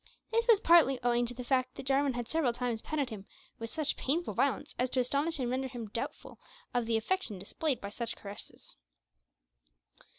This was partly owing to the fact that Jarwin had several times patted him with such painful violence as to astonish and render him doubtful of the affection displayed by such caresses.